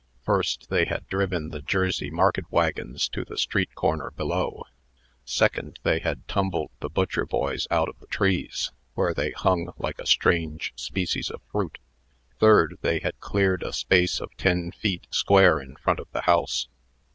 first, they had driven the Jersey market wagons to the street corner below; second, they had tumbled the butcher boys out of the trees, where they hung like a strange species of fruit; third, they had cleared a space of ten feet square in front of the house.